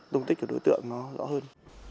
đúng tích của đối tượng nó rõ hơn